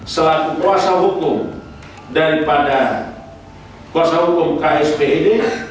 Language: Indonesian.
selaku kuasa hukum daripada kuasa hukum ksbid